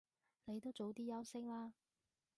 你都早啲休息啦